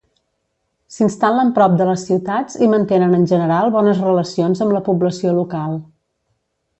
S'instal·len prop de les ciutats i mantenen en general bones relacions amb la població local.